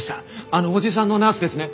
あのおじさんのナースですね。